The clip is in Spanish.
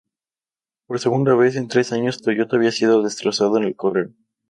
Por segunda vez en tres años, Toyota había sido destrozado en el correo.